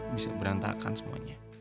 bisa berantakan semuanya